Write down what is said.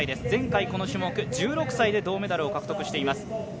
前回、この種目１６歳でメダルを獲得しています。